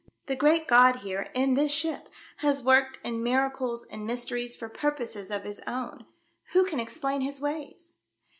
" The Great God here, in this ship, has worked in miracles and mysteries 140 THE DEATH SHIP. for purposes of His own. Who can explain His ways?